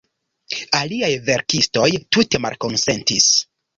Aliaj verkistoj tute malkonsentis.